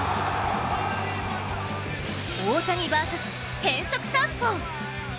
大谷バーサス変則サウスポー！